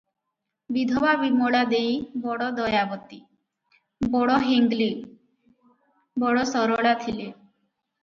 ବିଧବା ବିମଳା ଦେଇ ବଡ଼ ଦୟାବତୀ, ବଡ଼ ହେଙ୍ଗ୍ଳୀ, ବଡ଼ ସରଳା ଥିଲେ ।